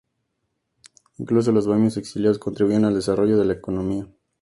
Incluso los bohemios exiliados contribuyeron al desarrollo de la economía.